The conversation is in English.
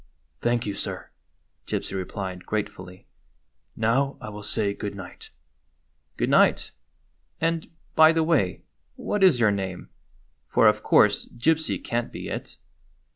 " Thank you, sir," Gypsy replied, gratefully ; "now I will say good night." "Good night. And, by the way, what is your name? For, of course, 'Gypsy' can't be it."